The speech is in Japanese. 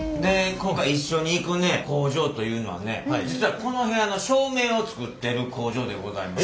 今回一緒に行くね工場というのはね実はこの部屋の照明を作ってる工場でございます。